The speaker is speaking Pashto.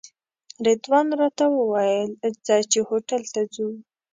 رضوان راته وویل ځه چې هوټل ته ځو.